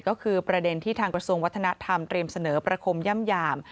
ก็คือประเด็นที่ทางกระทรวงวัฒนธรรมเตรียมเสนอประคมย่ำหยาม